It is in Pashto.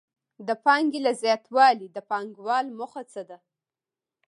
د پانګې له زیاتوالي د پانګوال موخه څه ده